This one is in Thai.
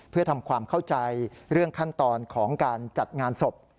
เพื่อทำความเข้าใจเรื่องขั้นตอนของการจัดงานศพ